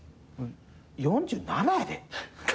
４７やで？